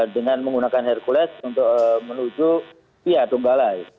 dengan menggunakan hercules untuk menuju pia dungbalai